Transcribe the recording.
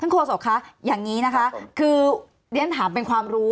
โฆษกคะอย่างนี้นะคะคือเรียนถามเป็นความรู้